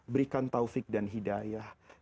berikan taufik dan hidayah